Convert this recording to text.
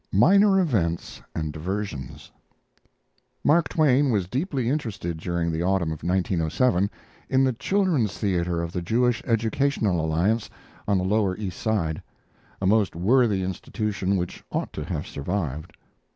MINOR EVENTS AND DIVERSIONS Mark Twain was deeply interested during the autumn of 1907 in the Children's Theater of the Jewish Educational Alliance, on the lower East Side a most worthy institution which ought to have survived.